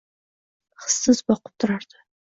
Hissiz boqib turardi.